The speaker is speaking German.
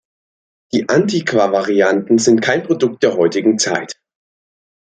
Die "Antiqua-Varianten" sind kein Produkt der heutigen Zeit.